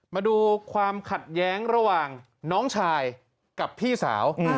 มาดูความขัดแย้งระหว่างน้องชายกับพี่สาว